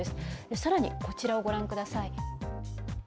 さらにこちらをご覧ください。